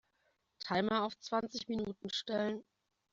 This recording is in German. Timer auf zwanzig Minuten stellen.